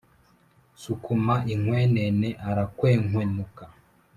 Sukuma inkwenene arankwenkwenuka